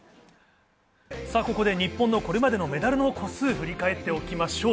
ここで日本のこれまでのメダルの個数を振り返っておきましょう。